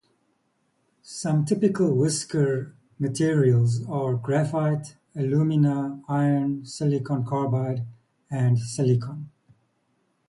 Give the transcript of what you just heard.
Some typical whisker materials are graphite, alumina, iron, silicon carbide and silicon.